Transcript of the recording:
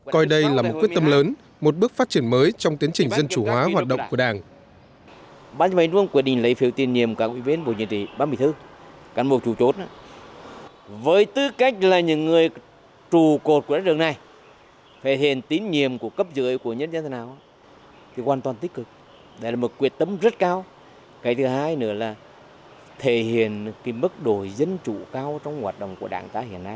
coi đây là một quyết tâm lớn một bước phát triển mới trong tiến trình dân chủ hóa hoạt động của đảng